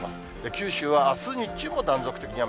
九州はあす日中、断続的に雨。